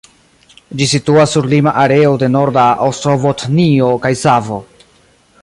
Ĝi situas sur lima areo de Norda Ostrobotnio kaj Savo.